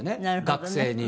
学生に。